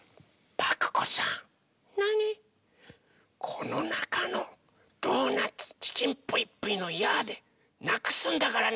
このなかのドーナツ「ちちんぷいぷいのやあ！」でなくすんだからね！